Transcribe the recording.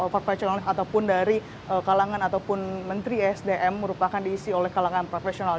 profesional ataupun dari kalangan ataupun menteri esdm merupakan diisi oleh kalangan profesional